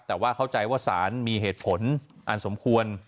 แต่ว่าเข้าใจว่าสารมีเหตุผลอันสมควร